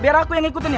biar aku yang ikutin ya